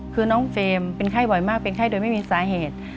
คือน้องเฟรมเป็นไข้บ่อยมากเป็นไข้โดยไม่มีสาเหตุ